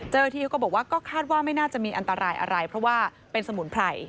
เจ้าหน้าที่เขาก็บอกว่าก็คาดว่าไม่น่าจะมีอันตรายอะไรเพราะว่าเป็นสมุนไพร